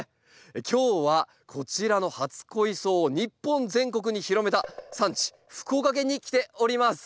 今日はこちらの初恋草を日本全国に広めた産地福岡県に来ております。